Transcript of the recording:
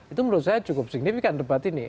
itu menurut saya cukup signifikan debat ini